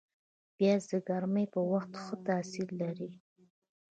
پیاز د ګرمۍ په وخت ښه تاثیر لري